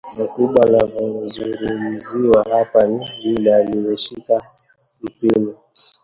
Mkubwa anayezungumziwa hapa ni yule aliyeshika mpini